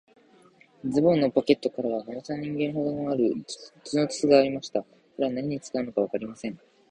ズボンのポケットからは、長さ人間ほどもある、鉄の筒がありました。これは何に使うのかわかりません。